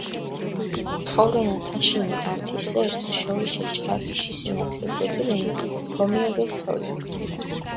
ცხოვრენა თაშინი, ართი სერს შორიშე ჭრაქიში სინათლე ქიძირენი, ქომიოგეს თოლი.